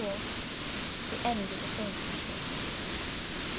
THE END OF THE FAINTING FIT.